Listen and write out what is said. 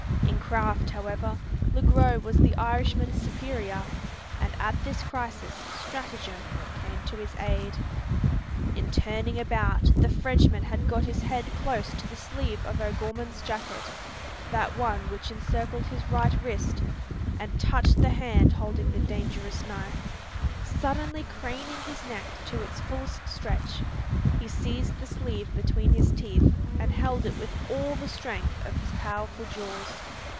In craft, however, Le Gros was the Irishman's superior: and at this crisis stratagem came to his aid. In turning about, the Frenchman had got his head close to the sleeve of O'Gorman's jacket, that one which encircled his right wrist, and touched the hand holding the dangerous knife. Suddenly craning his neck to its fullest stretch, he seized the sleeve between his teeth, and held it with all the strength of his powerful jaws.